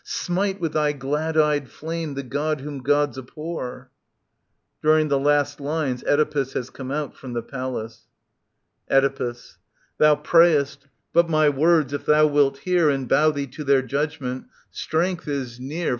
Smite with thy glad eyed flame the God whom Gods abhor. [During the last lines Oedipus has come out from the Palace. Oedipus. Thou prayest : but my words if tho'i wilt hear And bow thee to their judgement, strength is near 13 SOPHOCLES TT.